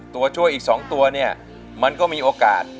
ตัวช่วยอีก๒ตัวเนี่ยมันก็มีโอกาส